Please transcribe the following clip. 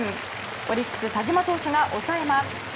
オリックス田嶋投手が抑えます。